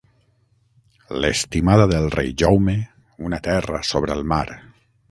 L’estimada del rei Jaume, una terra sobre el mar.